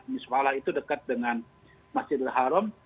mispalah itu dekat dengan masjid al haram